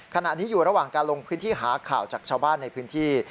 ขณะนี้อยู่ระหว่างการลงพื้นที่หาข่าวจากชาวบ้านในพื้นที่